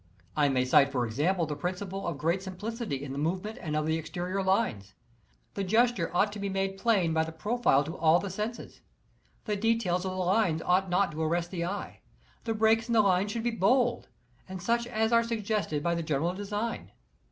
I may cite for example the principle of great simplicity in the movement and in the exterior lines. The gesture ought to be made plain by the profile to all the senses. The details of the lines ought not to arrest the eye. The breaks in the lines should be bold, and such as are sug gested by the general design.